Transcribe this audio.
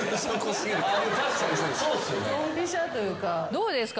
どうですか？